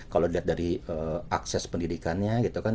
kalau dilihat dari akses pendidikannya